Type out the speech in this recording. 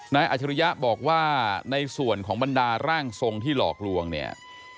อาจริยะบอกว่าในส่วนของบรรดาร่างทรงที่หลอกลวงเนี่ย